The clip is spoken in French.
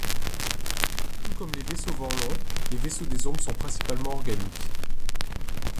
Tout comme les vaisseaux vorlons, les vaisseaux des ombres sont principalement organiques.